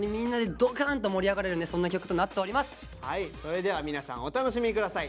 それでは皆さんお楽しみ下さい。